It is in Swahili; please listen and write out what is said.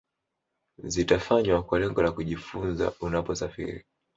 zitafanywa kwa lengo la kujifunza Unaposafiri